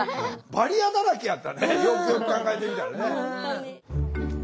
バリアだらけやったねよくよく考えてみたらね。